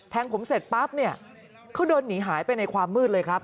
งผมเสร็จปั๊บเนี่ยเขาเดินหนีหายไปในความมืดเลยครับ